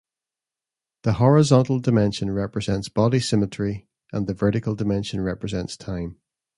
The horizontal dimension represents body symmetry and the vertical dimension represents time.